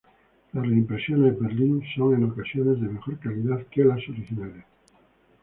Las reimpresiones Berlín son en ocasiones de mejor calidad que las originales.